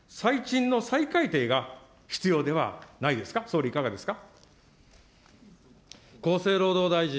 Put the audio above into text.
最賃の再改定が必要ではないですか、総理、いかがですか。